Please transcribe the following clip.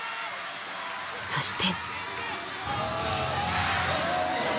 ［そして］